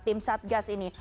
tim satgas ini